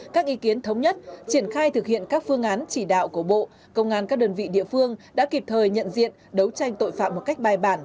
các ý kiến thống nhất triển khai thực hiện các phương án chỉ đạo của bộ công an các đơn vị địa phương đã kịp thời nhận diện đấu tranh tội phạm một cách bài bản